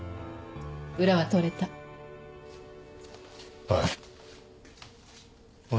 裏は取れたおい